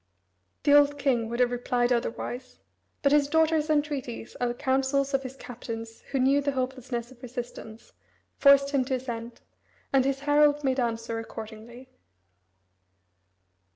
The old king would have replied otherwise, but his daughter's entreaties and the counsels of his captains who knew the hopelessness of resistance, forced him to assent, and his herald made answer accordingly.